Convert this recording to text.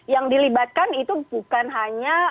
yang dilibatkan itu bukan hanya